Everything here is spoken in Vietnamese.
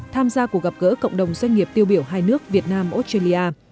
tham gia cuộc gặp gỡ cộng đồng doanh nghiệp tiêu biểu hai nước việt nam australia